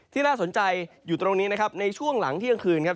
น่าสนใจอยู่ตรงนี้นะครับในช่วงหลังเที่ยงคืนครับ